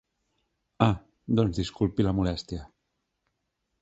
Ah, doncs disculpi la molèstia.